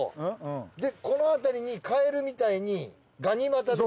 でこのあたりにカエルみたいにガニ股で。